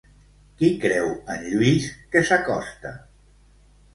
Qui creu en Lluís que s'acosta?